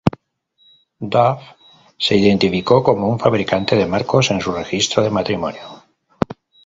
Dove se identificó como un fabricante de marcos en su registro de matrimonio.